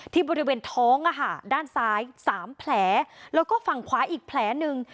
บริเวณท้องด้านซ้าย๓แผลแล้วก็ฝั่งขวาอีกแผลหนึ่ง